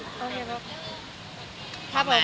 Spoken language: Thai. โอเคครับ